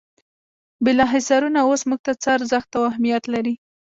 بالا حصارونه اوس موږ ته څه ارزښت او اهمیت لري.